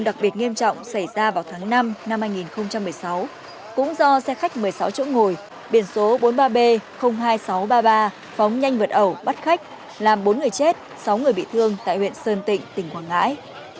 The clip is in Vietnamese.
đặc biệt nghiêm trọng xảy ra vào tháng năm năm hai nghìn một mươi sáu cũng do xe khách một mươi sáu chỗ ngồi biển số bốn mươi ba b hai nghìn sáu trăm ba mươi ba phóng nhanh vượt ẩu bắt khách làm bốn người chết sáu người bị thương tại huyện sơn tịnh tỉnh quảng ngãi